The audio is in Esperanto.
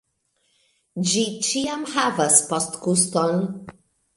Ĝi ĉiam havas postguston